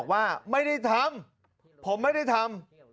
ว่าไม่ได้ทำผมไม่ได้ทำ